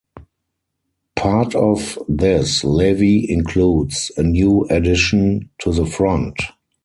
Part of this levy includes a new addition to the front.